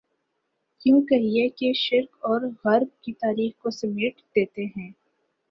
یوں کہیے کہ شرق و غرب کی تاریخ کو سمیٹ دیتے ہیں۔